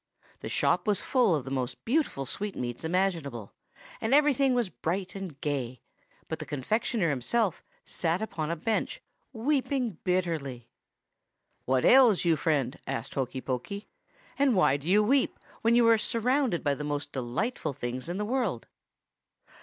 The shop was full of the most beautiful sweetmeats imaginable, and everything was bright and gay; but the confectioner himself sat upon a bench, weeping bitterly. "'What ails you, friend?' asked Hokey Pokey; 'and why do you weep, when you are surrounded by the most delightful things in the world?